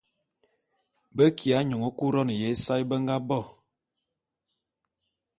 Be kiya nyoñe Couronne ya ésae be nga bo.